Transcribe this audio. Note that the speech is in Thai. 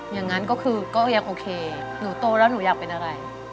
อย่างนั้นก็คือก็ยังโอเคหนูโตแล้วหนูอยากเป็นอะไร